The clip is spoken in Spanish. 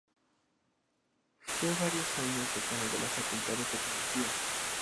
Fue varios años Decano de la Facultad de Teología.